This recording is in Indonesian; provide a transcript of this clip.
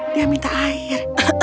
dia minta air